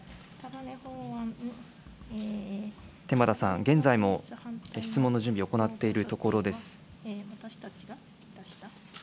天畠さん、現在も質問の準備を行っているところです。